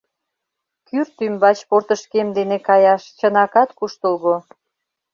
Кӱрт ӱмбач портышкем дене каяш чынакат куштылго.